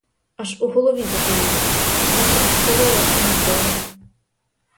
Аж у голові заболіло, мов розкололася надвоє!